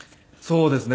そうですね。